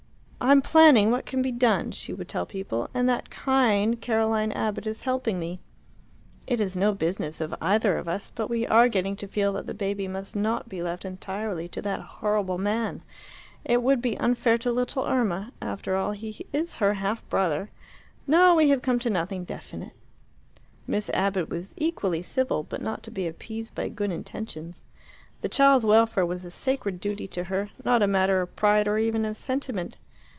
"I am planning what can be done," she would tell people, "and that kind Caroline Abbott is helping me. It is no business of either of us, but we are getting to feel that the baby must not be left entirely to that horrible man. It would be unfair to little Irma; after all, he is her half brother. No, we have come to nothing definite." Miss Abbott was equally civil, but not to be appeased by good intentions. The child's welfare was a sacred duty to her, not a matter of pride or even of sentiment.